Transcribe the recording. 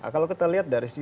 kalau kita lihat dari sisi